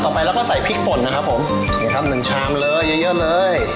ต่อไปแล้วก็ใส่พริกป่นนะครับผมเดี๋ยวครับ๑ชามเลยเยอะเลย